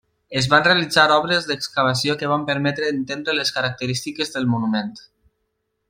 Es van realitzar obres d'excavació que van permetre entendre les característiques del monument.